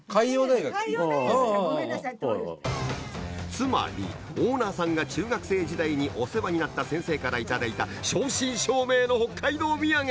つまりオーナーさんが中学生時代にお世話になった先生から頂いた正真正銘の北海道土産！